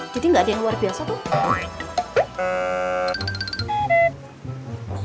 jadi gak ada yang luar biasa tuh